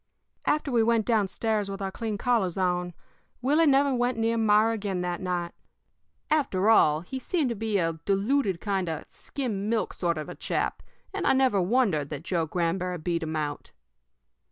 "After we went down stairs with our clean collars on, Willie never went near Myra again that night. After all, he seemed to be a diluted kind of a skim milk sort of a chap, and I never wondered that Joe Granberry beat him out.